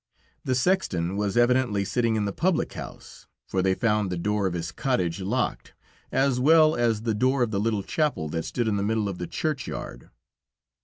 The sexton was evidently sitting in the public house, for they found the door of his cottage locked, as well as the door of the little chapel that stood in the middle of the churchyard.